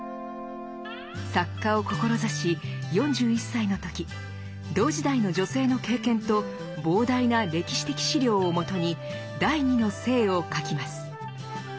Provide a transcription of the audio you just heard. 作家を志し４１歳の時同時代の女性の経験と膨大な歴史的資料をもとに「第二の性」を書きます。